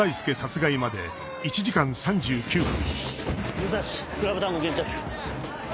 武蔵クラブ・タンゴ現着。